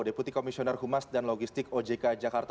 deputi komisioner humas dan logistik ojk jakarta